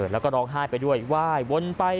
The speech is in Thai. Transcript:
แล้วก็ร้องไห้ไปด้วยไหว้วนไป